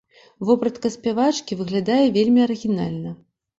Вопратка спявачкі выглядае вельмі арыгінальна.